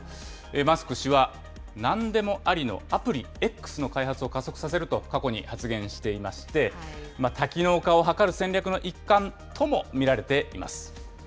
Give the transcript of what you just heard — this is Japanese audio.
マスク氏はなんでもありのアプリＸの開発を加速させると過去に発言していまして、多機能化を図る戦略の一環とも見られています。